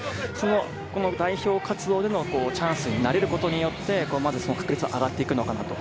この代表活動でのチャンスに慣れることによってまずその確率は上がっていくのかなと。